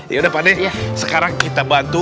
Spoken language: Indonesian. yaudah pak deh sekarang kita bantu